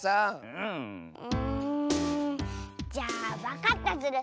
うんじゃあわかったズル。